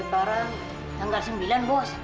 sekarang tanggal sembilan pak